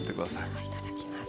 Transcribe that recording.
ではいただきます。